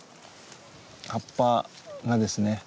葉っぱがですね